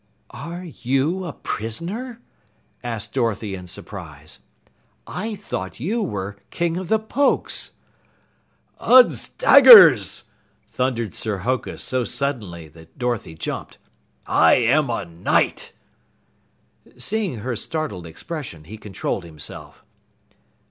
"Are you a prisoner?" asked Dorothy in surprise. "I thought you were King of the Pokes!" "Uds daggers!" thundered Sir Hokus so suddenly that Dorothy jumped. "I am a knight!" Seeing her startled expression, he controlled himself.